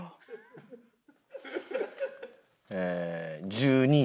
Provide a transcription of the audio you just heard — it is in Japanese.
１２位！？